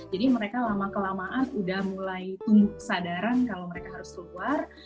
jadi mereka lama kelamaan udah mulai tumbuh kesadaran kalau mereka harus keluar